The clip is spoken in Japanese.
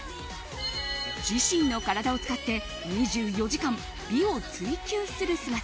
自身の体を使って２４時間、美を追究する姿。